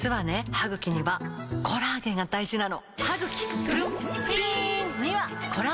歯ぐきにはコラーゲンが大事なの！